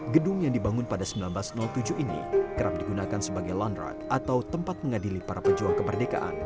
gedung yang dibangun pada seribu sembilan ratus tujuh ini kerap digunakan sebagai laundrard atau tempat mengadili para pejuang kemerdekaan